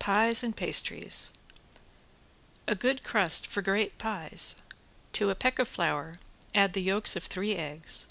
PIES AND PASTRIES ~A GOOD CRUST FOR GREAT PIES~ To a peck of flour, add the yolks of three eggs.